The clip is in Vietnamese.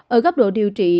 ở góc độ điều trị